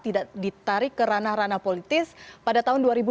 tidak ditarik ke ranah ranah politis pada tahun dua ribu dua puluh satu